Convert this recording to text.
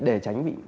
để tránh bị